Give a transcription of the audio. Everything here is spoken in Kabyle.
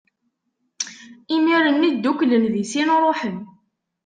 Imir-nni, dduklen di sin, ṛuḥen.